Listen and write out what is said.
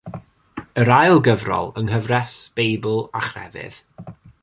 Yr ail gyfrol yng Nghyfres Beibl a Chrefydd.